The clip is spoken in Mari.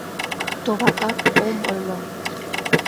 Товатат, ом ойло!